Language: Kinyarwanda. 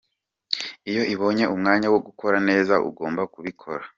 Iyo ibonye umwanya wo gukora neza ugomba kubikora.